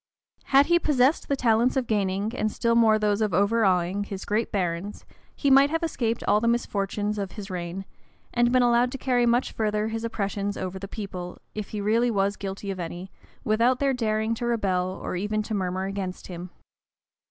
Had he possessed the talents of gaining, and still more those of overawing, his great barons, he might have escaped all the misfortunes of his reign, and been allowed to carry much further his oppressions over the people, if he really was guilty of any, without their daring to rebel, or even to murmur against him.